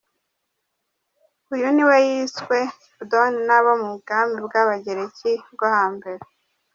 Uyu niwe yiswe Cupidon n’abo mu bwami bw’ Abagereki bwo hambere.